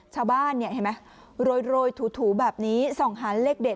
ชาวบ้านเนี่ยเห็นไหมโรยถูแบบนี้ส่องหาเลขเด็ด